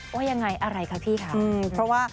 ว่ายังไงอะไรคะพี่คะ